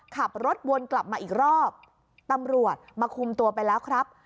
ขับรถวนกลับมาอีกรอบตำรวจมาคุมตัวไปแล้วครับ